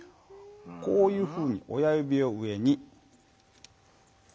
こういうふうに親ゆびを上に。